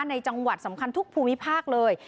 ในจังหวัดสำคัญทุกภูมิภาคเลย